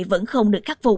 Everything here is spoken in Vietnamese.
vẫn không được khắc phục